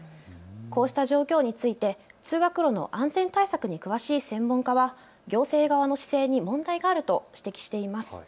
こうした状況について通学路の安全対策に詳しい専門家は、行政側の姿勢に問題があると指摘しています。